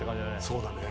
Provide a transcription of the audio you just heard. そうだね